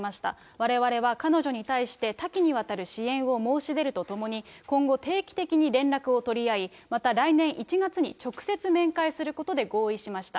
われわれは彼女に対して、多岐にわたる支援を申し出るとともに、今後、定期的に連絡を取り合い、また来年１月に直接面会することで合意しました。